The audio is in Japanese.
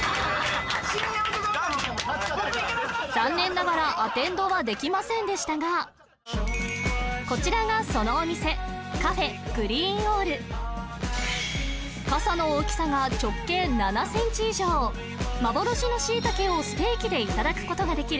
残念ながらアテンドはできませんでしたがこちらがそのお店かさの大きさが直径７ｃｍ以上幻の椎茸をステーキでいただくことができる